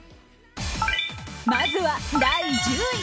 まずは第１０位。